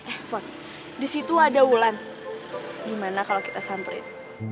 eh von disitu ada wulan gimana kalau kita samperin